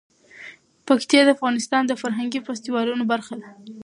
پکتیا د افغانستان د فرهنګي فستیوالونو برخه ده.